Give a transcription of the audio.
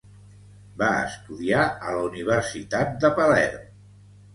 Va estudiar a la Universitat de Palerm.